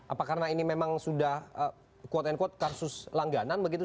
apa karena ini memang sudah quote unquote kasus langganan begitu